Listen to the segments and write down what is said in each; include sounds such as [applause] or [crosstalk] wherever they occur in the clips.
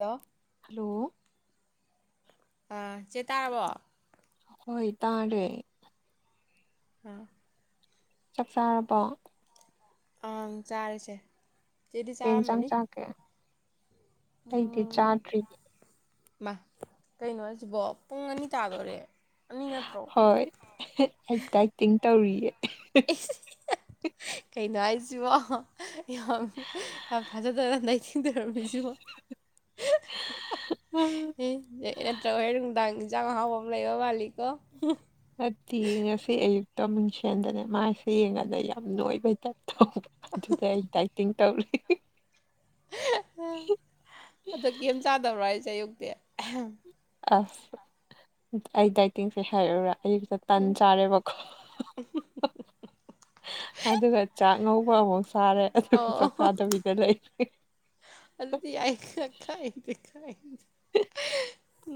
ꯂꯣ hello ꯑꯥ ꯆꯦ ꯇꯥꯔꯕꯣ ꯍꯣꯏ ꯇꯥꯔꯦ ꯑꯥ ꯆꯥꯛ ꯆꯥꯔꯕꯣ ꯑꯪ ꯆꯥꯔꯦ ꯆꯦ ꯀꯩ ꯢꯟꯖꯥꯡ ꯆꯒꯦ ꯑꯩꯗꯤ ꯎꯝ ꯆꯥꯗ꯭ꯔꯤꯌꯦ ꯃꯥ ꯀꯩꯅꯣ ꯍꯥꯢꯁꯤꯕꯣ ꯄꯨꯡ ꯑꯅꯤ ꯇꯥꯗꯣꯔꯦ ꯑꯅꯤ ꯅꯠꯇ꯭ꯔꯣ ꯇꯤꯡ ꯇꯧꯔꯤꯌꯦ ꯀꯩꯅꯣ ꯍꯥꯏꯁꯤꯕꯣ ꯌꯥꯝ ꯌꯥꯝ ꯊꯥꯖꯥꯗꯅ ꯗꯥꯏꯇꯤꯡ ꯇꯧꯔꯝꯃꯤꯁꯤꯕꯣ ꯅꯠꯇ꯭ꯔꯒ ꯍꯣꯏ ꯅꯨꯡꯗꯥꯡ ꯌꯦꯟꯁꯥꯡ ꯑꯍꯥꯎꯕ ꯑꯃ ꯂꯩꯕ ꯃꯥꯜꯂꯤꯀꯣ ꯅꯠꯇꯤꯌꯦꯉꯁꯤ ꯑꯌꯨꯛꯇ ꯃꯨꯟꯁꯦꯟꯗꯅꯦ ꯃꯥꯏꯁꯦ ꯌꯦꯡꯒꯥꯟꯗ ꯌꯥꯝ ꯅꯣꯏꯕꯩꯇ ꯇꯧꯕ ꯑꯗꯨꯗ ꯑꯩ ꯗꯥꯏꯇꯤꯡ ꯇꯧꯔꯤ ꯑꯗꯣ ꯀꯦꯝ ꯆꯥꯗꯕ꯭ꯔꯣ ꯑꯩꯁꯦ ꯑꯌꯨꯛꯇꯤ ꯑꯁ ꯑꯩ ꯗꯥꯏꯇꯤꯡꯁꯦ ꯍꯥꯏꯔꯛꯎꯔꯥ ꯑꯩꯌꯨ ꯆ ꯇꯟ ꯆꯥꯔꯦꯕꯈꯣ ꯑꯗꯨꯒ ꯆꯥꯛ ꯉꯧꯕ ꯑꯃꯨꯛ ꯆꯥꯔꯦ ꯑꯗꯨ ꯆꯥꯛ ꯑꯣ ꯆꯥꯗꯕꯤꯗ ꯂꯩꯔꯤ ꯑꯗꯨꯗꯤ ꯑꯥꯏ ꯀꯥꯏꯗꯩ ꯀꯥꯏꯗꯩ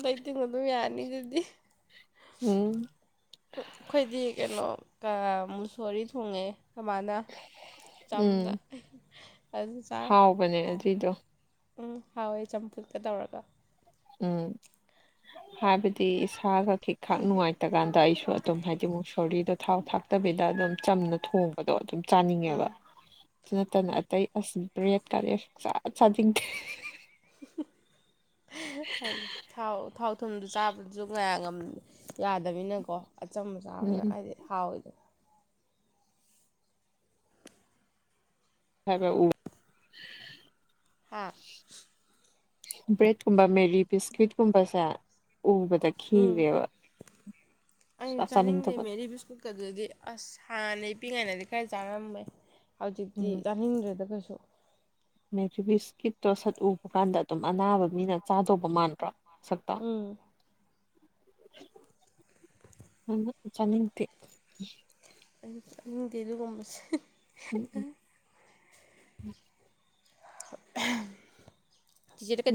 ꯗꯥꯏꯇꯤꯡ ꯑꯗꯨꯝ ꯌꯥꯅꯤ ꯑꯗꯨꯗꯤ ꯎꯝ ꯑꯩꯈꯣꯏꯗꯤ ꯀꯩꯅꯣ ꯃꯨꯁꯣꯔꯤ ꯊꯣꯡꯉꯦ ꯈꯣꯏꯃꯅ ꯎꯝ ꯆꯝꯅ ꯆꯥꯔꯦ ꯍꯥꯎꯕꯅꯦ ꯑꯗꯨꯏꯗꯣ ꯎꯝ ꯍꯥꯎꯋꯦ ꯆꯝꯐꯨꯠꯀ ꯇꯧꯔꯒ ꯎꯝ ꯍꯥꯏꯕ ꯍꯥꯏꯗꯤ ꯏꯁꯥꯒ ꯈꯤꯛꯈꯥꯛ ꯅꯨꯡꯉꯥꯏꯇ ꯀꯥꯟꯗ ꯑꯩꯁꯨ ꯑꯗꯨꯝ ꯍꯥꯏꯗꯤ ꯃꯨꯛ ꯁꯣꯔꯤꯗꯣ ꯊꯥꯎ ꯊꯥꯛ ꯅꯠꯇꯕꯤꯗ ꯑꯗꯨꯝ ꯆꯝꯅ ꯊꯣꯡꯕꯗꯣ ꯑꯗꯨꯝ ꯎꯝ ꯆꯥꯅꯤꯡꯉꯦꯕ ꯑꯗꯨ ꯅꯠꯇꯅ ꯑꯇꯩ ꯑ ꯕꯦꯠ ꯀꯥꯂꯔ ꯁꯁꯥꯠ ꯆꯥꯗꯤꯡꯈ ꯍꯥꯏ ꯊꯥꯎ ꯊꯥꯎ ꯊꯨꯝꯗꯨ ꯆꯥꯕꯗꯨꯁꯨ ꯉꯌꯥ ꯉꯝ ꯌꯥꯗꯅꯤꯅꯀꯣ ꯑꯆꯝꯕ ꯆꯥꯕꯗꯅ ꯎꯝ ꯍꯥꯏꯗꯤ ꯍꯥꯎꯋꯗ ꯍꯥꯏꯕ ꯎ ꯍꯥꯥ ꯕ꯭ꯔꯦꯠꯀꯨꯝꯕ ꯃꯦꯔꯤ ꯕꯤꯁꯀꯤꯨꯠꯀꯨꯝꯕꯁꯦ ꯎꯕꯗ ꯎꯝ ꯈꯤꯔꯦꯕꯥ ꯆꯥꯅꯤꯡꯗꯕꯗꯣ ꯑꯗꯨꯗꯤ ꯑꯁ ꯍꯥꯟꯅ ꯏ ꯄꯤꯛꯉꯥꯏꯅꯗꯤ ꯈꯔ ꯆꯥꯔꯝꯃꯦ ꯍꯧꯖꯤꯛꯇꯤ ꯌꯆꯥꯅꯤꯡꯗ꯭ꯔꯦꯗ ꯀꯩꯁꯨ ꯃꯦꯕꯤꯁꯀꯤꯠꯇꯣ ꯁꯠ ꯎꯕ ꯀꯥꯟꯗ ꯑꯗꯨꯝ ꯑꯅꯥꯕ ꯃꯤꯅ ꯆꯥꯗꯧꯕ ꯃꯥꯟꯗ꯭ꯔꯣ ꯁꯛꯇꯣ ꯎꯝ ꯎꯝ ꯆꯥꯅꯤꯡꯗꯦ ꯑꯩꯁꯨ ꯆꯥꯅꯤꯡꯗꯦ ꯑꯗꯨꯒꯨꯝꯕꯁꯦ [inaudible] ꯎꯝ ꯎꯝ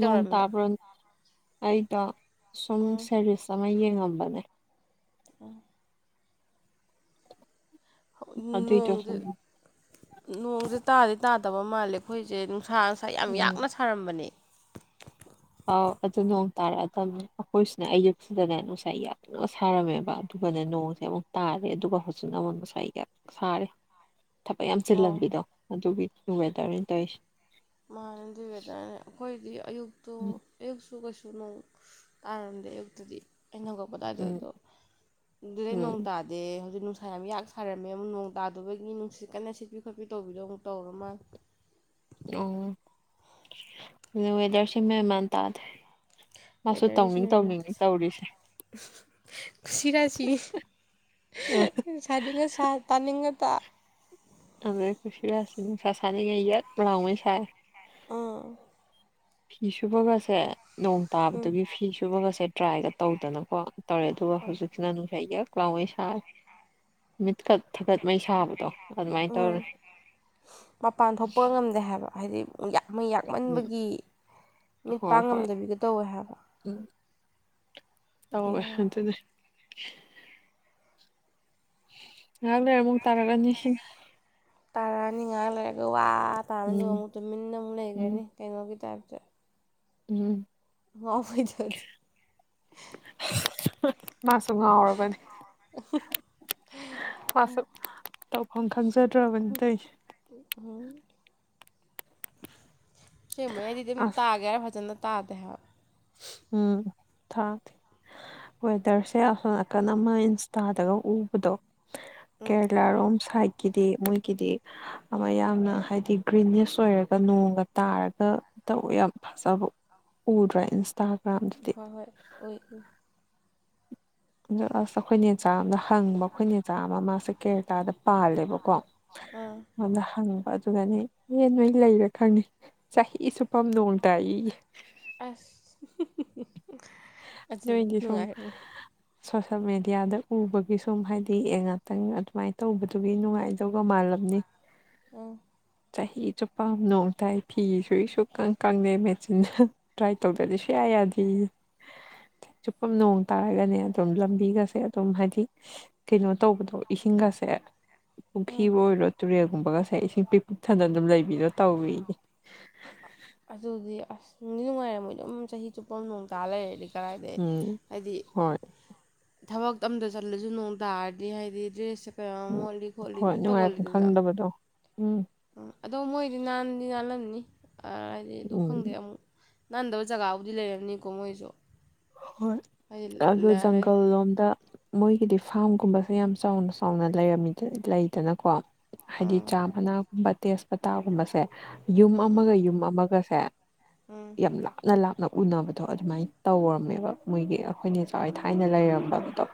ꯅꯣꯡ ꯇꯥꯕꯣ ꯑꯩꯗꯣ ꯁꯨꯝ ꯎꯝ ꯁꯦꯔꯤꯁ ꯑꯃ ꯌꯦꯡꯉꯝꯕꯅꯦ ꯑ ꯑꯗꯨꯏꯗꯣ ꯅꯣꯡꯁ ꯁꯨꯝ ꯅꯣꯡꯁꯦ ꯇꯥꯗꯤ ꯇꯥꯗꯕ ꯃꯥꯜꯂꯦ ꯑꯩꯈꯣꯏꯁꯦ ꯅꯨꯡꯁꯥ ꯅꯨꯡꯁꯥ ꯉꯥ ꯌꯥꯝ ꯎꯝ ꯌꯥꯛꯅ ꯁꯥꯔꯝꯕꯅꯤ ꯑꯥꯎ ꯑꯗꯨ ꯅꯣꯡ ꯇꯥꯔꯛꯑꯗꯕꯅꯤ ꯑꯩꯈꯣꯏꯁꯤꯅ ꯑꯌꯨꯛꯁꯤꯗꯅꯦ ꯅꯨꯡꯁꯥꯏ ꯌꯥꯗꯅ ꯁꯥꯔꯝꯃꯦꯕ ꯑꯗꯨꯒꯅ ꯅꯣꯡ ꯑꯃꯨꯛ ꯇꯥꯔꯦ ꯑꯗꯨꯒ ꯍꯧꯖꯤꯅ ꯑꯃꯨꯛ ꯉꯁꯥꯏꯒ ꯁꯥꯔꯦ ꯊꯕꯛ ꯌꯥꯝ ꯑꯣ ꯆꯤꯜꯍꯟꯕꯤꯗꯣ ꯑꯗꯨꯒꯤ ꯋꯦꯗꯔꯅꯤ ꯇꯧꯔꯤꯁꯦ ꯃꯥꯅꯦ ꯑꯗꯨꯏ ꯋꯦꯗꯔ ꯑꯩꯈꯣꯏꯗꯤ ꯑꯌꯨꯛꯇꯨ ꯎꯝ ꯑꯌꯨꯛꯁꯨ ꯀꯩꯁꯨ ꯅꯣꯡ ꯇꯥꯔꯝꯗꯦ ꯑꯌꯨꯛꯇꯨꯗꯤ ꯑꯩꯅꯒ ꯗꯗꯣ ꯑꯗꯨꯗꯩ ꯎꯝ ꯅꯣꯡ ꯇꯗ ꯑꯗ ꯍꯧꯖꯤꯛ ꯅꯨꯡꯁꯥ ꯌꯥꯝ ꯌꯥꯛ ꯁꯥꯔꯝꯃꯦ ꯑꯃꯨꯛ ꯅꯣꯡ ꯇꯥꯗꯕꯒꯤ ꯅꯨꯡꯁꯤꯠ ꯀꯟꯅ ꯁꯤꯠꯄꯤ ꯈꯣꯠꯄꯤ ꯇꯧꯕꯤꯗꯣ ꯑꯃꯨꯛ ꯇꯧꯔꯨ ꯃꯥꯜ ꯑꯣꯦꯗꯔꯁꯤꯞ ꯃꯦꯃꯥꯟ ꯇꯗ ꯃꯥꯁꯨ ꯇꯧꯅꯤꯡ ꯇꯧꯅꯤꯡꯉꯤ ꯇꯧꯔꯤꯁꯦ ꯈꯁꯤ ꯔꯁꯤ ꯊꯅꯤꯡꯉꯊ ꯇꯥꯅꯤꯡꯉꯇ ꯑꯗꯨ ꯈꯁꯤꯁ ꯅꯨꯅꯨꯡꯁꯥ ꯁꯅꯒꯤ ꯏ ꯂꯥꯎꯑꯣ ꯁꯥꯏꯦ ꯎꯝ ꯐꯤ ꯁꯨꯕꯒꯁꯦ ꯅꯣꯡ ꯎꯝ ꯇꯥꯕꯗꯨꯒꯤ ꯐꯤ ꯁꯨꯕꯒꯁꯦ ꯇ꯭ꯔꯥꯏꯒ ꯇꯧꯗꯅꯀꯣ ꯇꯧꯔꯦ ꯑꯗꯨꯒ ꯍꯧꯖꯤꯛ ꯅꯥꯅ ꯁ ꯀꯂꯋꯦ ꯁꯥ ꯃꯤꯠꯀꯠ ꯊꯀꯠ ꯃꯩ ꯁꯥꯕꯗꯣ ꯑꯗꯨꯃꯥꯏꯅ ꯎꯝ ꯇꯧꯔꯦ ꯃꯄꯥꯟ ꯊꯣꯛꯄ ꯉꯝꯗꯦ ꯍꯥꯏꯕ ꯍꯥꯏꯗꯤ ꯃꯩ ꯎꯝ ꯌꯥꯛꯃꯟꯕꯒꯤ ꯃꯤꯠ ꯄꯥꯡ ꯉꯝꯗꯕꯤꯒ ꯇꯧꯋꯦ ꯍꯥꯏꯕ ꯎ ꯇꯧꯋꯦ ꯕꯦꯔꯥꯅꯤ ꯑꯗꯨꯗꯤ ꯉꯥꯏꯍꯥꯛ ꯂꯩꯔ ꯑꯃꯨꯛ ꯇꯥꯔꯛꯂꯅꯤ ꯁꯤꯅ ꯇꯥꯔꯛꯑꯅꯤ ꯉꯥꯏꯍꯥꯛ ꯂꯩꯔꯒ ꯋꯥ ꯇꯥꯔꯅꯤ ꯑꯗꯨꯒ ꯎꯝ ꯑꯃꯨꯛ ꯇꯨꯃꯤꯟꯅ ꯑꯃꯨꯛ ꯎꯝ ꯂꯩꯈ꯭ꯔꯅꯤ ꯀꯩꯅꯣꯒꯤ ꯇꯥꯏꯞꯇ ꯎꯝ ꯋꯥ ꯐꯣꯏ ꯆꯦ ꯃꯥꯁꯨ ꯉꯥꯎꯔꯕꯅꯤ ꯑꯁ ꯇꯧꯐꯝ ꯈꯪꯖꯗ꯭ꯔꯕꯅꯤꯇꯩ ꯎꯝ ꯁꯦꯡꯕ ꯌꯥꯗꯤ ꯑꯗꯨꯝ ꯑꯁ ꯇꯥꯒꯦ ꯍꯥꯏꯔ ꯐꯖꯅ ꯇꯥꯗꯦ ꯍꯥꯏꯕ ꯎꯝ ꯊꯥ ꯊ ꯋꯦꯗꯔꯁꯦ ꯑꯁꯣ ꯅꯥꯀꯟ ꯑꯃ ꯏꯟꯁꯇꯥꯗꯒ ꯎꯕꯗꯣ ꯎꯝ ꯀꯦꯔꯂꯥꯔꯣꯝ ꯁꯥꯏꯠꯀꯤꯗꯤ ꯃꯣꯏꯒꯤꯗꯤ ꯑꯃ ꯌꯥꯝꯅ ꯍꯥꯏꯗꯤ ꯒ꯭ꯔꯤꯅꯦꯁ ꯑꯣꯏꯔꯒ ꯅꯣꯡꯒ ꯇꯥꯔꯒ ꯇꯧ ꯌꯥꯝ ꯍꯁꯕ ꯄꯨꯨꯔꯗ꯭ꯔ ꯏꯟꯁꯇꯥ ꯍꯣꯏ ꯍꯣꯏ ꯑꯣꯏ ꯎ ꯑꯗ ꯑꯁ ꯑꯩꯈꯣꯏ ꯅꯦꯆꯥ ꯑꯃꯅ ꯍꯪꯕ ꯑꯩꯈꯣꯏ ꯅꯆꯥ ꯑꯃ ꯃꯥꯁꯦ ꯀꯦꯔꯂꯥꯗ ꯄꯥꯜꯂꯦꯕꯀꯣ ꯑꯥ ꯍꯗ ꯍꯪ ꯑꯗꯨꯅꯦ ꯑꯦ ꯅꯣꯏ ꯂꯩꯔꯦ ꯈꯪꯅꯤ ꯆꯍꯤ ꯁꯨꯞꯐꯝ ꯅꯣꯡ ꯇꯥꯏꯏꯌꯦ ꯑꯁ ꯑꯗꯨ ꯅꯣꯏꯗꯤ ꯁꯨꯝ ꯅꯨꯡꯉꯥꯏ ꯁꯣꯁꯦꯜ ꯃꯦꯗꯤꯌꯥꯗ ꯎꯕꯒꯤ ꯁꯨꯝ ꯍꯥꯏꯗꯤ ꯌꯦ ꯉꯥꯛꯇꯪ ꯑꯗꯨꯃꯥꯏꯅ ꯇꯧꯕꯗꯨꯒꯤ ꯅꯨꯡꯉꯥꯏꯗꯒ ꯃꯥꯜꯂ ꯑꯥ ꯆꯍꯤ ꯆꯨꯞꯄꯝꯅꯣꯡ ꯇꯥꯏ ꯐꯤ ꯁ ꯁꯨꯀꯪ ꯀꯪꯗꯦ ꯃꯦꯆꯤꯟꯅ ꯇ꯭ꯔꯥꯏ ꯇꯧꯗ꯭ꯔꯗꯤ ꯁꯌꯥꯏ ꯌꯥꯗꯦ ꯆꯨꯞꯄ ꯅꯣꯡ ꯇꯥꯔꯒꯅꯦ ꯑꯗꯨꯝ ꯂꯝꯕꯤꯒꯁꯦ ꯑꯗꯨꯝ ꯍꯥꯏꯗꯤ ꯀꯩꯅꯣ ꯇꯧꯕꯗꯣ ꯏꯁꯤꯡꯒꯁꯦ ꯑꯥ ꯄꯨ꯭ꯔꯤꯕꯨ ꯑꯣꯏꯔꯣ ꯇꯨꯔꯦꯜꯒꯨꯝꯕꯒꯁꯦ ꯏꯁꯤꯡ ꯄꯤꯛ ꯏꯊꯗ ꯑꯗꯨꯝ ꯂꯩꯕꯤꯗꯣ ꯇꯧꯋ ꯑꯗꯨꯗꯤ ꯑꯁ ꯅꯨꯡꯗꯤ ꯅꯨꯡꯉꯥꯏꯔꯝꯃꯣꯏ ꯑꯗꯨꯝ ꯆꯍꯤ ꯆꯨꯞꯄ ꯑꯃ ꯅꯣꯡ ꯇꯥ ꯂꯩꯔꯦꯗꯒꯤ ꯀꯗꯥꯏꯗꯩ ꯎꯝ ꯍꯥꯏꯗꯤ ꯍꯣꯏ ꯊꯕꯛ ꯑꯝꯇ ꯆꯠꯂꯁꯨ ꯅꯣꯡ ꯇꯥꯔꯗꯤ ꯍꯥꯏꯗꯤ ꯗ꯭ꯔꯦꯁꯁꯦ ꯀꯌꯥꯝ ꯎꯝ ꯃꯣꯠꯂꯤ ꯈꯣꯠꯂꯤ ꯍꯣꯏ ꯑꯗꯨꯝ ꯅꯨꯡꯉꯥꯏꯐꯝ ꯈꯪꯗꯕꯗꯣ ꯎꯝ ꯎꯝ ꯑꯗꯣ ꯃꯣꯏꯗꯤ ꯅꯥꯟꯗꯤ ꯅꯥꯜꯂꯝꯅꯤ ꯍꯥꯏꯗꯤ ꯑꯗꯨ ꯎꯝ ꯈꯪꯗꯦ ꯑꯃꯨꯛ ꯅꯥꯟꯗꯕ ꯖꯒꯥꯕꯨꯗꯤ ꯂꯩꯔꯝꯅꯤꯀꯣ ꯃꯣꯏꯁꯨ ꯍꯣꯏ ꯍꯥꯏꯗꯤ ꯑꯗꯨ ꯂꯩ ꯖꯪꯒꯜ ꯂꯣꯝꯗ ꯃꯣꯏꯒꯤꯗꯤ ꯐꯥꯔꯝꯒꯨꯝꯕꯁꯦ ꯌꯥꯝ ꯆꯥꯎꯅ ꯆꯥꯎꯅ ꯂꯩꯔꯝꯃꯤ ꯂꯩꯗꯅꯀꯣ ꯍꯥꯏꯗꯤ ꯑꯥ ꯆꯥ ꯃꯅꯥꯒꯨꯝꯕ ꯇꯦꯖꯄꯇꯥꯒꯨꯝꯕꯁꯦ ꯌꯨꯝ ꯎꯝ ꯎꯝ ꯑꯃꯒ ꯌꯨꯝ ꯑꯃꯒꯁꯦ ꯎꯝ ꯌꯥꯝ ꯂꯥꯞ ꯅ ꯂꯥꯞꯅ ꯎꯅꯕꯗꯣ ꯑꯗꯨꯃꯥꯏꯅ ꯇꯧꯔꯝꯃꯦꯕ ꯃꯣꯏꯒꯤ ꯑꯩꯈꯣꯏꯅꯋꯥꯏ ꯊꯥꯏꯅ ꯂꯩꯔꯝꯕꯗꯣ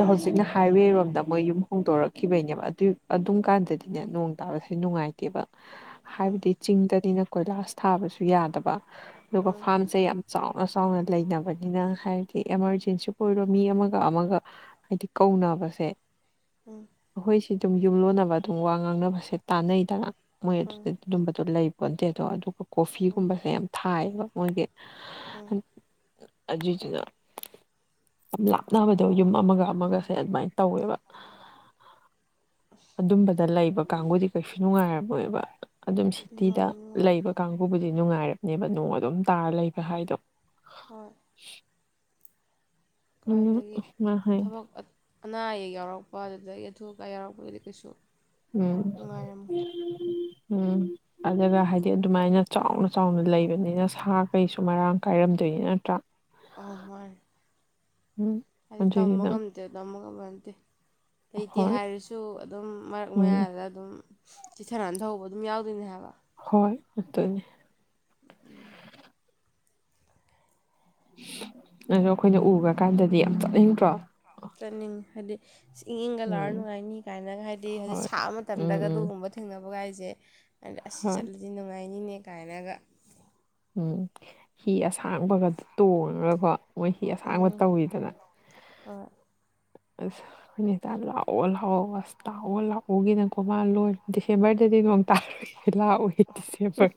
ꯑꯣ ꯍꯧꯖꯤꯛ ꯍꯥꯏꯋꯦꯔꯣꯝꯗ ꯃꯣꯏ ꯌꯨꯝ ꯍꯣꯡꯗꯣꯔꯛꯈꯤꯕꯩꯅꯦꯕ ꯑꯗꯨ ꯑꯗꯨꯝ ꯀꯥꯟꯗꯗꯤꯅꯦ ꯅꯣꯡ ꯇꯥꯕꯁꯨ ꯅꯨꯡꯉꯥꯏꯇꯦꯕ ꯎꯝ ꯍꯥꯏꯕꯗꯤ ꯆꯤꯡꯗꯅꯤꯅ ꯀꯣꯏꯂꯥꯁ ꯊꯥꯕꯁꯨ ꯌꯥꯗꯕ ꯑꯗꯨꯒ ꯎꯝ ꯐꯥꯔꯝꯁꯦ ꯌꯥꯝ ꯆꯥꯎꯅ ꯆꯥꯎꯅ ꯂꯩꯅꯕꯅꯤꯅ ꯍꯥꯏꯕꯗꯤ ꯑꯦꯃꯥꯔꯖꯦꯟꯁꯤꯕꯨ ꯑꯣꯏꯔꯣ ꯃꯤ ꯑꯃ ꯑꯃꯒ ꯑꯃꯒ ꯍꯥꯏꯗꯤ ꯀꯧꯅꯕꯁꯦ ꯎꯝ ꯎꯝ ꯑꯩꯈꯣꯏꯁꯤ ꯑꯗꯨꯝ ꯌꯨꯝꯂꯣꯟꯅꯕ ꯑꯗꯨꯝ ꯋꯥ ꯉꯥꯡꯅꯕꯁꯦ ꯇꯥꯟꯅꯩꯗꯅ ꯃꯣꯏ ꯑꯗꯨꯗ ꯑꯗꯨꯝꯕꯗꯣ ꯂꯩꯕꯣꯟꯗꯦ ꯑꯗꯣ ꯑꯗꯨꯒ ꯎꯝ ꯀꯣꯐꯤꯒꯨꯝꯕꯁꯦ ꯌꯥꯝ ꯊꯥꯏꯌꯦꯕ ꯃꯣꯏꯒꯤ ꯎꯝ ꯑꯗꯨꯢꯖꯤꯅ ꯌꯥꯝ ꯂꯥꯞꯅꯕꯗꯣ ꯌꯨꯝ ꯑꯃꯒ ꯑꯃꯒꯁꯦ ꯑꯗꯨꯃꯥꯏꯅ ꯇꯧꯋꯦꯕ ꯑꯗꯨꯝꯕꯗ ꯂꯩꯕ ꯀꯥꯡꯕꯨꯗꯤ ꯀꯩꯁꯨ ꯅꯨꯡꯉꯥꯏꯔꯝꯃꯣꯏꯕ ꯑꯗꯨꯝ ꯁꯤꯇꯤꯗ ꯅꯨꯡꯉꯥꯏ ꯅꯨꯡꯉꯥꯏ ꯂꯩꯕ ꯀꯥꯡꯕꯨꯕꯨꯗꯤ ꯅꯨꯡꯉꯥꯏꯔꯝꯕꯅꯦꯕ ꯅꯣꯡ ꯑꯗꯨꯝ ꯇꯥꯔ ꯂꯩꯒ ꯍꯥꯏꯗꯣ ꯍꯣꯏ [unintelligible] ꯎꯝ ꯀꯥꯢꯗꯒꯤ ꯃꯥ ꯍꯥꯏ ꯊꯕꯛ ꯑꯅꯥ ꯑꯌꯦꯛ ꯌꯥꯎꯔꯛꯄ ꯑꯗꯨꯗꯒꯤ ꯑꯊꯨ ꯑꯀꯥꯏ ꯌꯥꯎꯔꯛꯄꯗꯗꯤ ꯀꯩꯁꯨ ꯎꯝ ꯎꯝ ꯅꯨꯡꯉꯥꯏꯔꯝꯃꯣꯏ [unintelligible] ꯑꯗꯨꯒ ꯍꯥꯏꯗꯤ ꯑꯗꯨꯃꯥꯏꯅ ꯆꯥꯎꯅ ꯆꯥꯎꯅ ꯂꯩꯕꯅꯤꯅ ꯁꯥ ꯀꯩꯁꯨ ꯃꯔꯥꯡ ꯀꯥꯏꯔꯝꯗꯣꯏꯅꯤ ꯅꯠꯇ꯭ꯔꯥ ꯑꯥꯎ ꯃꯥꯟꯅꯦ ꯎꯝ ꯍꯥꯏꯗꯤ ꯇꯝꯕ ꯑꯗꯨꯏꯗꯨꯅ ꯉꯝꯗꯦꯗ ꯇꯝꯕ ꯉꯝꯕ ꯅꯠꯇꯦ ꯂꯩꯇꯦ ꯍꯣꯏ ꯍꯥꯏꯔꯁꯨ ꯑꯗꯨꯝ ꯃꯔꯛ ꯎꯝ ꯃꯌꯥꯗ ꯑꯗꯨꯝ ꯆꯤꯊ ꯅꯟꯊꯍꯧꯕ ꯑꯗꯨꯝ ꯌꯥꯎꯗꯣꯏꯅꯦ ꯍꯥꯏꯕ ꯍꯣꯏ ꯐꯇꯨꯅꯦ [inaudible] ꯑꯗꯣ ꯑꯩꯈꯣꯏꯅ ꯎꯒ꯭ꯔꯀꯥꯟꯗꯗꯤ ꯌꯥꯝ ꯆꯠꯅꯤꯡꯗ꯭ꯔꯣ ꯇꯅꯤꯡꯉꯤ ꯍꯥꯏꯗꯤ ꯏꯪ ꯏꯪꯒ ꯂꯥꯎꯔ ꯎꯝ ꯅꯨꯡꯉꯥꯏꯅꯤ ꯀꯥꯏꯅꯒ ꯍꯥꯏꯗꯤ ꯍꯧꯖꯤꯛ ꯍꯣꯏ ꯁꯥꯕ ꯎꯝ ꯃꯇꯝꯗꯒ ꯎꯝ ꯑꯗꯨꯒꯨꯝꯕ ꯊꯦꯡꯅꯕꯒꯥꯏꯁꯦ ꯑꯗ ꯑꯁꯤ ꯍꯣꯏ ꯆꯠꯂꯗꯤ ꯅꯨꯡꯉꯥꯏꯅꯤꯅꯦ ꯀꯥꯏꯅꯒ ꯎꯝ ꯍꯤ ꯑꯁꯥꯡꯕꯒ ꯇꯣꯡꯉꯒꯀꯣ ꯃꯣꯏ ꯍꯤ ꯑꯁꯥꯡꯕ ꯎꯝ ꯇꯧꯋꯤꯗꯅ ꯍꯣꯏ ꯑꯁ [unintelligible] ꯂꯥꯛꯑꯣ ꯂꯥꯛꯑꯣ ꯑꯁ ꯂꯥꯛꯑꯣ ꯂꯥꯛꯑꯣꯒꯤꯅꯀꯣ ꯃꯥ ꯂꯣꯏꯔ ꯗꯤꯁꯦꯝꯕꯔ ꯗꯤ ꯇꯥꯔꯒ ꯂꯥꯛ ꯑꯣꯏ ꯗꯤꯁꯦꯝꯕꯔ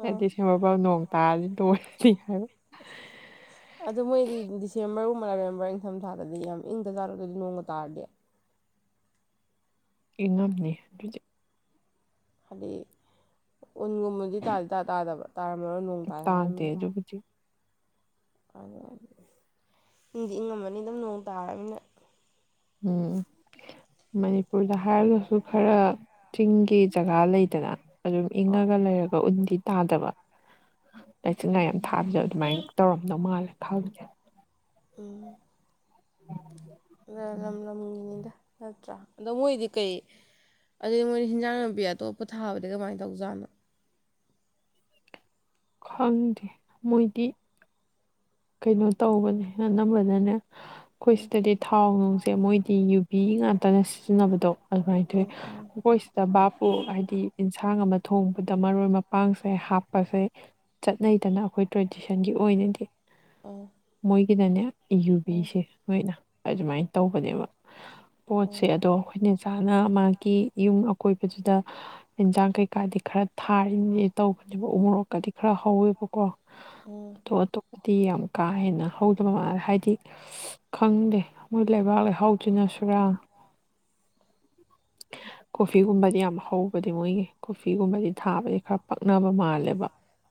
ꯍꯥꯏ ꯗꯤꯁꯦꯝꯕꯔ ꯐꯥꯎ ꯅꯣꯡ ꯇꯥꯔꯗꯤ ꯂꯣꯢꯔꯅꯤ ꯍꯥꯏꯕ ꯑꯗꯨ ꯃꯣꯏꯗꯤ ꯗꯤꯁꯦꯝꯕꯔꯒꯨꯝꯕ ꯅꯕꯦꯝꯕꯔ ꯏꯪꯊꯝꯊꯥꯗꯗꯤ ꯌꯥꯝ ꯏꯪꯇ ꯆꯥꯂꯣ ꯅꯣꯡꯒ ꯇꯥꯔꯗꯤ ꯏꯉꯝꯅꯦ ꯑꯗꯨꯗꯤ ꯍꯥꯏꯗꯤ ꯎꯟꯒꯨꯝꯕꯗꯤ ꯇꯥꯗꯤ ꯇꯥ ꯇꯥꯗꯕ ꯇꯥꯔꯝꯃꯔꯣꯏ ꯅꯣꯡ ꯇꯥꯏ ꯍꯥꯏꯔꯝꯃꯅꯤ [unintelligible] ꯑꯗꯨ ꯏꯪꯗꯤ ꯏꯪꯉꯝꯃꯅꯤ ꯑꯗꯨꯝ ꯅꯣꯡ ꯇꯥꯔꯕꯃꯤꯅ ꯎꯝ ꯃꯅꯤꯄꯨꯔꯗ ꯍꯥꯏꯔꯒꯁꯨ ꯈꯔ ꯆꯤꯡꯒꯤ ꯖꯒꯥ ꯂꯩꯗꯅ ꯑꯗꯨꯝ ꯍꯣꯏ ꯏꯪꯉꯒ ꯂꯩꯔꯒ ꯎꯟꯗꯤ ꯇꯥꯗꯕ ꯂꯥꯏꯆꯤꯟ ꯂꯥꯏ ꯌꯥꯝ ꯊꯥꯕꯗꯣ ꯑꯗꯨꯃꯥꯏꯅ ꯇꯧꯔꯝꯗꯧ ꯃꯥꯜꯂꯦ ꯈꯜꯕꯁꯦ ꯎꯝ ꯎꯝ ꯑꯗ ꯂꯝ ꯂꯝꯒꯤꯅꯤꯗ ꯅꯠꯇ꯭ꯔꯥ ꯑꯗꯣ ꯃꯣꯏꯗꯤ ꯀꯩ ꯑꯗꯩ ꯃꯣꯏꯅ ꯍꯤꯟꯖꯥꯡ ꯅꯥꯄꯤ ꯑꯇꯣꯞꯄ ꯊꯥꯕꯗꯤ ꯀꯃꯥꯏꯅ ꯇꯧꯖꯥꯠꯅꯣ ꯈꯪꯗꯦ ꯃꯣꯏꯗꯤ ꯀꯩꯅꯣ ꯇꯧꯕꯅꯦ ꯑꯅꯝꯕꯅꯅꯦ ꯑꯩꯈꯣꯏ ꯎꯝ ꯁꯤꯗꯗꯤ ꯊꯥꯎ ꯅꯨꯡꯁꯦ ꯃꯣꯏꯗꯤ ꯒꯤ ꯉꯥꯛꯇꯅ ꯁꯤꯖꯤꯟꯅꯕꯗꯣ ꯑꯗꯨꯃꯥꯏꯅ ꯇꯧꯋꯏ ꯎꯝ ꯎꯝ ꯑꯩꯈꯣꯏ ꯇꯕꯥꯄꯨ ꯍꯥꯏꯗꯤ ꯌꯦꯟꯁꯥꯡ ꯑꯃ ꯊꯣꯡꯕꯗ ꯃꯔꯣꯏ ꯃꯄꯥꯡꯁꯦ ꯍꯥꯞꯄꯁꯦ ꯆꯠ ꯅꯩꯗꯅ ꯑꯩꯈꯣꯏ ꯇ꯭ꯔꯦꯗꯤꯁꯟꯒꯤ ꯑꯣꯏꯅꯗꯤ ꯑꯣ ꯃꯣꯏꯒꯤꯅꯅꯦ ꯌꯨꯕꯤꯁꯦ ꯅꯣꯏꯅ ꯑꯗꯨꯃꯥꯏꯅ ꯇꯧꯕꯅꯦꯕ ꯄꯣꯠꯁꯦ ꯑꯥ ꯑꯗꯣ ꯑꯩꯈꯣꯏꯅ ꯆꯥꯅ ꯃꯥꯒꯤ ꯌꯨꯝ ꯑꯀꯣꯏꯕꯁꯤꯗ ꯏꯟꯁꯥꯡ ꯀꯩꯀꯥꯗꯤ ꯈꯔ ꯊꯥꯔꯤꯅꯤ ꯇꯧꯕꯅꯦꯕ ꯎ ꯃꯣꯔꯣꯛꯀꯗꯤ ꯈꯔ ꯍꯧꯋꯦꯕꯀꯣ ꯎꯝ ꯑꯇꯣꯞ ꯑꯇꯣꯞꯄꯗꯤ ꯌꯥꯝ ꯀꯥ ꯍꯦꯟꯅ ꯍꯧꯗꯕ ꯃꯥꯜꯂꯦ ꯍꯥꯏꯗꯤ ꯈꯪꯗꯦ ꯃꯣꯏ ꯂꯩꯕꯥꯛ ꯂꯩꯍꯥꯎ ꯇꯅ ꯁꯔꯥ [unintelligible] ꯀꯣꯐꯤꯒꯨꯝꯕꯗꯤ ꯌꯥꯝ ꯍꯧꯕꯗꯤ ꯃꯣꯏꯒꯤ ꯀꯣꯐꯤꯒꯨꯝꯕꯗꯤ ꯊꯥꯕꯁꯦ ꯈꯔ ꯄꯛꯅꯕ ꯃꯥꯜꯂꯦꯕ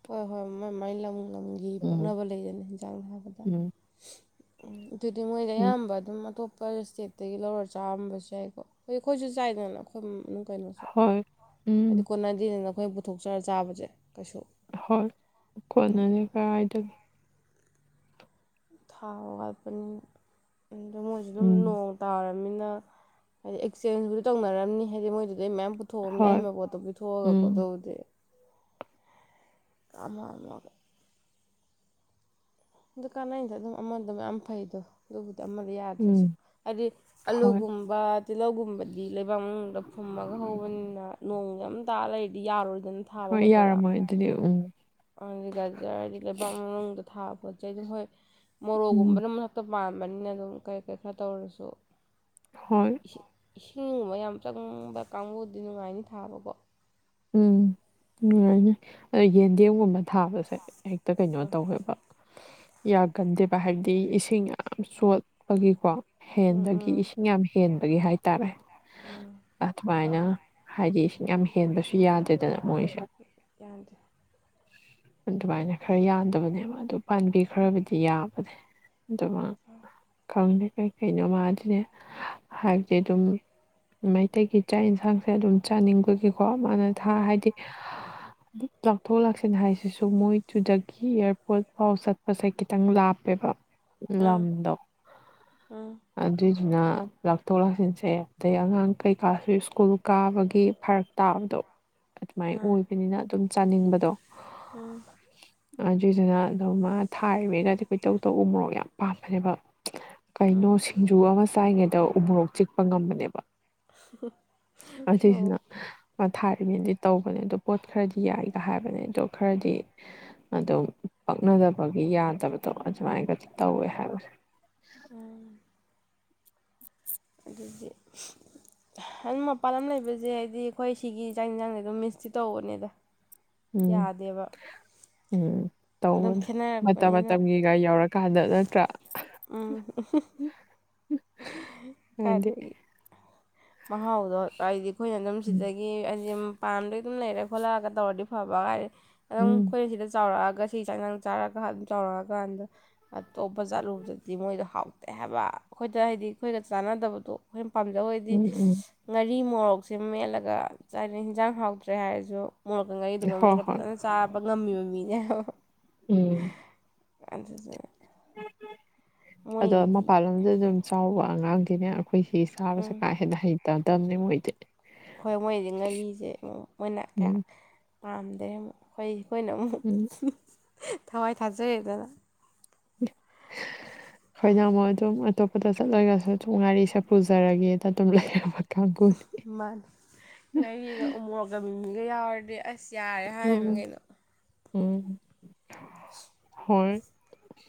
ꯍꯣꯏ ꯍꯣꯏ ꯃꯥꯏ ꯃꯥꯏ ꯂꯝ ꯂꯝꯒꯤ ꯎꯝ ꯄꯣꯛꯅꯕ ꯂꯩꯗꯅ ꯍꯟꯖꯥꯡ ꯅꯥꯕꯗ ꯎꯝ ꯎꯝ ꯑꯗꯨꯗꯤ ꯃꯣꯏꯗ ꯎꯝ ꯑꯌꯥꯝꯕ ꯑꯗꯨꯝ ꯑꯇꯣꯞꯄ ꯑꯄ ꯏꯁꯇꯦꯠꯇꯒꯤ ꯂꯧꯔ ꯆꯥꯔꯝꯕꯁꯨ ꯌꯥꯏꯀꯣ ꯑꯩꯈꯣꯏ ꯑꯩꯈꯣꯏꯁꯨ ꯆꯥꯏꯗꯅ ꯑꯩꯈꯣꯏ ꯀꯩꯅꯣꯁꯨ ꯍꯣꯏ ꯍꯥꯏꯗꯤ ꯎꯝ ꯀꯣꯟꯅꯗꯤꯅꯤꯅ ꯑꯩꯈꯣꯏꯅ ꯄꯨꯊꯣꯛꯆꯔ ꯆꯥꯕꯁꯦ ꯀꯩꯁꯨ ꯍꯣꯏ ꯀꯣꯟꯅꯅꯤ ꯀꯔꯥꯏꯗꯒꯦ ꯊꯥꯎꯒꯄꯅꯤ ꯑꯣ ꯃꯣꯏꯁꯨ ꯑꯗꯨꯝ ꯎꯝ ꯅꯣꯡ ꯇꯥꯔꯕꯅꯤꯅ ꯍꯥꯏꯗꯤ ꯑꯦꯛꯆꯦꯟꯖꯕꯨꯗꯤ ꯇꯧꯅꯔꯝꯅꯤ ꯍꯥꯏꯗꯤ ꯃꯣꯏꯗꯨꯗꯩ ꯃꯌꯥꯝ ꯊꯣꯛꯑꯕꯅ ꯍꯣꯏ ꯑꯍꯩꯕ ꯄꯣꯠꯇꯣ ꯄꯤ ꯊꯣꯛꯑꯒꯀꯣ ꯎꯝ ꯑꯗꯨꯕꯨꯗꯤ ꯑꯃ ꯑꯃꯒ ꯗꯨꯀꯥꯟ ꯑꯗ ꯑꯗꯨꯝ ꯑꯃ ꯑꯗꯨꯝ ꯌꯥꯝ ꯐꯩꯗꯣ ꯑꯗꯨꯕꯨꯗꯤ ꯑꯃꯗ ꯌꯥꯗ꯭ꯔꯁꯨ ꯎꯝ ꯍꯥꯏꯗꯤ ꯍꯣꯏ ꯑꯂꯨꯒꯨꯝꯕ ꯇꯤꯜꯍꯧꯒꯨꯝꯕꯗꯤ ꯂꯩꯕꯥꯛ ꯃꯅꯨꯡꯗ ꯐꯨꯝꯃꯒ ꯍꯧꯕꯅꯤꯅ ꯅꯣꯡ ꯑꯝ ꯇꯥꯔ ꯂꯩꯔꯗꯤ ꯌꯥꯔꯣꯏ ꯍꯣꯏ ꯌꯥꯔꯝꯃꯣꯏ ꯑꯗꯨꯗꯤ ꯎꯝ ꯒꯖꯔ ꯍꯥꯏꯗꯤ ꯂꯩꯕꯥꯛ ꯃꯅꯨꯡꯗ ꯊꯥꯕ ꯄꯣꯠ ꯆꯩ ꯑꯗꯨꯝ ꯍꯣꯏ ꯎꯝ ꯃꯣꯔꯣꯛꯒꯨꯝꯕꯅꯝ ꯇꯣ ꯄꯥꯝꯕꯅꯤꯅ ꯑꯗꯨꯝ ꯀꯩ ꯀꯩ ꯈꯔ ꯇꯧꯔꯁꯨ ꯍꯣꯏ ꯏꯁꯤꯡ ꯏꯁꯤꯡꯒꯨꯝꯕ ꯌꯥꯝ ꯆꯪꯕ ꯀꯥꯡꯕꯨꯗꯤ ꯅꯨꯡꯉꯥꯏꯅꯤ ꯊꯥꯕꯀꯣ ꯎꯝ ꯅꯨꯡꯉꯥꯏꯅꯦ ꯑꯗ ꯌꯦꯟꯗꯦꯝꯒꯨꯝꯕ ꯊꯥꯕꯁꯦ ꯍꯦꯛꯇ ꯀꯩꯅꯣ ꯇꯧꯋꯦꯕ꯫ ꯌꯥꯒꯟꯗꯦꯕ ꯍꯥꯏꯕꯗꯤ ꯏꯁꯤꯡ ꯌꯥꯝ ꯆꯣꯠꯄꯒꯤꯀꯣ ꯎꯝ ꯎꯝ ꯍꯦꯟꯕꯒꯤ ꯎꯝ ꯏꯁꯤꯡ ꯌꯥꯝ ꯍꯦꯟꯕꯒꯤ ꯍꯥꯏꯇꯥꯔꯦ꯫ ꯑꯣ꯫ ꯑꯗꯨꯃꯥꯏꯅ ꯍꯥꯏꯗꯤ ꯏꯁꯤꯡ ꯌꯥꯝ ꯍꯦꯟꯕꯁꯨ ꯌꯥꯗꯦꯗꯅ ꯃꯣꯏꯁꯦ ꯌꯥꯟꯗꯦ ꯑꯗꯨꯃꯥꯏꯅ ꯈꯔ ꯌꯥꯟꯗꯕꯅꯦꯕ ꯑꯗꯨ ꯄꯥꯟꯕꯤ ꯈꯔꯕꯨꯗꯤ ꯌꯥꯕꯅꯦ ꯗꯨꯕꯨ ꯈꯪꯗꯦꯑꯩ ꯀꯩꯅꯣ ꯃꯥꯗꯤꯅꯦ ꯍꯥꯏꯕꯗꯤ ꯑꯗꯨꯝ ꯃꯩꯇꯩꯒꯤ ꯆꯥꯛ ꯌꯦꯟꯁꯥꯡꯁꯦ ꯑꯗꯨꯝ ꯆꯥꯅꯤꯡꯕꯒꯤꯀꯣ ꯃꯥꯅ ꯊꯥ ꯎꯝ ꯍꯥꯏꯗꯤ ꯂꯧꯥꯎꯊꯣꯛ ꯂꯥꯛꯁꯤꯟ ꯍꯥꯏꯁꯤꯁꯨ ꯃꯣꯏꯗꯨꯗꯒꯤ ꯑꯦꯌꯥꯔꯄꯣꯔꯠ ꯐꯥꯎ ꯆꯠꯄꯁꯦ ꯈꯤꯇꯪ ꯂꯥꯞꯄꯦꯕ ꯎꯝ ꯏꯝꯗ ꯎꯝ ꯑꯗꯨꯏꯗꯨꯅ ꯂꯧꯊꯣꯛ ꯂꯥꯎꯁꯤꯟꯁꯦ ꯑꯗꯩ ꯑꯉꯥꯡ ꯀꯩꯀꯥꯁꯨ ꯁ꯭ꯀꯨꯜ ꯀꯥꯕꯒꯤ ꯐꯔꯛ ꯇꯥꯕꯗꯣ ꯑꯗꯨꯃꯥꯏꯅ ꯑꯥ ꯑꯣꯏꯕꯅꯤꯅ ꯑꯗꯨꯝ ꯆꯥꯅꯤꯡꯕꯗꯣ ꯎꯝ ꯑꯗꯨꯏꯗꯨꯅ ꯑꯗꯨꯝ ꯊꯥꯔꯤꯕꯒꯗꯤ ꯀꯣꯏ ꯇꯧ ꯇꯧ ꯎ ꯃꯣꯔꯣꯛ ꯌꯥꯝ ꯄꯥꯝꯕꯅꯦꯕ ꯎꯝ ꯀꯩꯅꯣ ꯁꯤꯡꯖꯨ ꯑꯃꯥ ꯆꯥꯏꯉꯩꯗ ꯎꯃꯣꯔꯣꯛ ꯆꯤꯛꯄ ꯉꯝꯕꯅꯦꯕ ꯑꯁꯤꯁꯤꯅ ꯃꯣꯔꯣꯛ ꯑꯣ ꯊꯥꯢꯅꯗꯤ ꯇꯧꯕꯅꯦ ꯑꯗꯣ ꯄꯣꯠ ꯈꯔꯗꯤ ꯌꯥꯏꯒ ꯍꯥꯏꯕꯅꯦ ꯑꯗꯣ ꯈꯔꯗꯤ ꯑꯗꯨꯝ ꯄꯛꯅꯗꯕꯒꯤ ꯌꯥꯗꯕꯗꯣ ꯑꯗꯨꯃꯥꯏꯅꯒ ꯇꯧꯋꯦ ꯍꯥꯏꯕꯅꯦ [unintelligible] ꯑꯗꯨꯗꯤ ꯍꯟ ꯃꯄꯥꯟ ꯂꯝ ꯂꯩꯕꯁꯦ ꯍꯥꯏꯗꯤ ꯑꯩꯈꯣꯏ ꯁꯤꯒꯤ ꯆꯥ ꯌꯦꯟꯖꯥꯡꯖꯦ ꯑꯗꯨꯝ ꯃꯤꯟꯁꯇꯤ ꯇꯧꯕꯅꯦꯗ꯫ ꯎꯝ ꯌꯥꯗꯦꯕ ꯎꯝ ꯑꯗꯨꯝ ꯇꯧꯕꯅꯦ ꯃꯇꯝ ꯈꯦꯠꯅꯔꯛꯄꯅꯤꯅ ꯃꯇꯝꯒꯤ ꯒꯥ ꯌꯧꯔꯀꯥꯟꯗ ꯅꯠꯇ꯭ꯔꯥ꯫ ꯎꯝ ꯍꯥꯏꯗꯤ ꯀꯥꯏꯗꯒꯤ ꯃꯍꯥꯎꯗꯣ ꯍꯥꯏꯗꯤ ꯑꯩꯈꯣꯏꯅ ꯑꯗꯨꯝ ꯎꯝ ꯁꯤꯗꯒꯤ ꯍꯥꯏ ꯃ ꯄꯥꯝꯗꯩ ꯑꯗꯨꯝ ꯂꯩꯔ ꯈꯣꯠꯂꯛꯑꯒ ꯇꯧꯔꯗꯤ ꯐꯕ ꯀꯥꯏꯔꯦ ꯑꯗꯨꯝ ꯎꯝ ꯑꯩꯈꯣꯏ ꯁꯤꯗ ꯆꯥꯎꯔꯛꯑꯒ ꯁꯤ ꯆꯥꯛ ꯍꯦꯟꯖꯥꯡ ꯆꯥꯔꯒ ꯑꯗꯨꯝ ꯆꯥꯎꯔꯛꯑꯀꯥꯟꯗ ꯑꯇꯣꯞꯄ ꯆꯥꯠꯂꯨꯕꯗꯗꯤ ꯃꯣꯏꯗꯣ ꯍꯥꯎꯇꯦ ꯍꯥꯕ꯫ ꯑꯩꯈꯣꯏꯗ ꯍꯥꯏꯗꯤ ꯑꯩꯈꯣꯏꯒ ꯆꯥꯟꯅꯗꯕꯗꯣ ꯑꯩꯈꯣꯏꯅ ꯄꯥꯝꯖꯧ ꯍꯥꯏꯗꯤ ꯎꯝ ꯎꯝ ꯉꯥꯔꯤ ꯃꯣꯔꯣꯛꯁꯦ ꯃꯦꯠꯂꯒ ꯆꯥꯏꯅ ꯍꯤꯟꯖꯥꯡ ꯍꯥꯎꯇ꯭ꯔꯦ ꯍꯥꯏꯔꯁꯨ ꯃꯣꯔꯣꯛꯀ ꯉꯥꯔꯤꯗꯨꯒ ꯍꯣꯏ ꯃꯦꯠꯂꯒ ꯍꯣꯏ ꯐꯖꯅ ꯇꯥꯕ ꯉꯝꯃꯤꯕ ꯃꯤꯅꯦ ꯍꯣ ꯍꯣ ꯎꯝ ꯑꯗꯨꯗꯣ- ꯇꯤꯠ ꯇꯤꯠ ꯑꯗꯣ ꯃꯄꯥꯜꯂꯣꯝꯗ ꯑꯗꯨꯝ ꯆꯥꯎꯕ ꯑꯉꯥꯡꯗꯤꯅꯦ ꯑꯩꯈꯣꯏ ꯁꯤ ꯁꯥꯕꯁꯦ ꯎꯝ ꯀꯥ ꯍꯦꯟꯅ ꯍꯩꯇꯗꯕꯅꯤ ꯃꯣꯏꯗꯤ ꯑꯩꯈꯣꯏ ꯃꯣꯏꯗꯤ ꯉꯥꯔꯤꯁꯦ ꯑꯃꯨꯛ ꯃꯣꯏꯅ ꯎꯝ ꯀꯌꯥ ꯄꯥꯝꯗ꯭ꯔꯦ ꯑꯃꯨꯛ ꯑꯩꯈꯣꯏ ꯑꯩꯈꯣꯏꯅ ꯑꯃꯨꯛ ꯎꯝ꯫ ꯊꯋꯥꯏ ꯊꯥꯖꯔꯦꯗꯅ [inaudible] ꯑꯩꯈꯣꯏꯅ ꯑꯃꯨꯛ ꯑꯗꯨꯝ ꯑꯇꯣꯞꯄꯗ ꯆꯠꯂꯒꯁꯨ ꯑꯗꯨꯝ ꯉꯥꯏꯔꯤꯁꯦ ꯄꯨꯖꯔꯒꯦꯗ ꯑꯗꯨꯝ ꯂꯩꯔꯕ ꯀꯥꯡꯕꯨꯅꯤ ꯎꯝ ꯉꯥꯏꯔꯤꯒ ꯎꯃꯣꯔꯛ [unintelligible] ꯎꯝ ꯎꯝ ꯍꯣꯏ